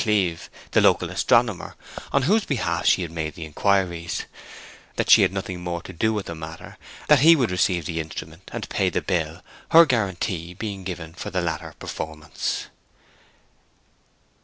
Cleeve, the local astronomer, on whose behalf she had made the inquiries; that she had nothing more to do with the matter; that he would receive the instrument and pay the bill, her guarantee being given for the latter performance.